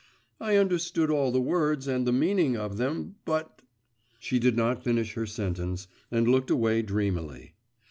'I understood all the words, and the meaning of them, but ' She did not finish her sentence, and looked away dreamily.